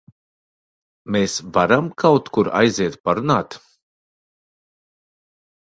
Mēs varam kaut kur aiziet parunāt?